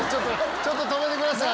ちょっと止めてください！